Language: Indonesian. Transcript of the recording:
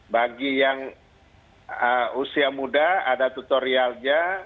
bagi yang usia muda ada tutorialnya